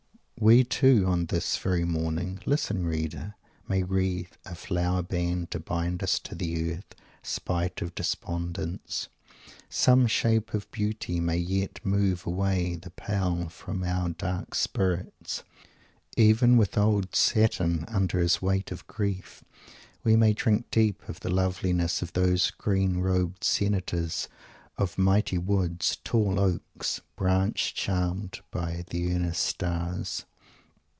We, too, on this very morning listen reader! may wreath "a flowery band to bind us to the Earth, spite of despondence." Some "shape of beauty may yet move away the pall from our dark spirits." Even with old Saturn under his weight of grief, we may drink in the loveliness of those "green robed senators of mighty woods, tall oaks, branch charmed by the earnest stars."